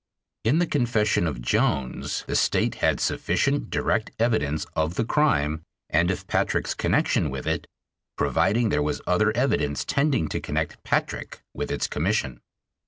In the confession of Jones the State had sufficient direct evidence of the crime and of Patrick's connection with it, providing there was other evidence tending to connect Patrick with its commission.